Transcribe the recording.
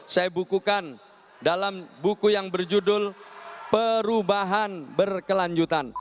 saya bukukan dalam buku yang berjudul perubahan berkelanjutan